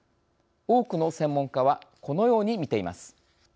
多くの専門家はこのように見ています。